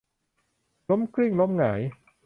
ล้มกลิ้งล้มหงาย